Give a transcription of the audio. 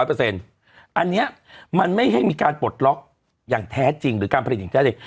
อันนี้มันไม่ให้มีการปลดล็อกอย่างแท้จริงหรือการผลิตอย่างแท้เลย